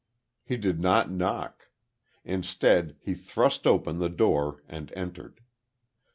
He did not knock. Instead he thrust open the door and entered.